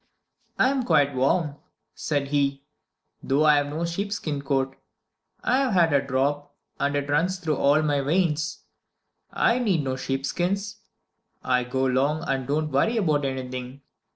I "I'm quite warm," said he, "though I have no sheep skin coat. I've had a drop, and it runs through all my veins. I need no sheep skins. I go along and don't worry about anything.